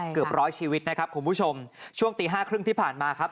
เกือบร้อยชีวิตนะครับคุณผู้ชมช่วงตีห้าครึ่งที่ผ่านมาครับ